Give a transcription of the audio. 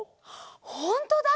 ほんとだ！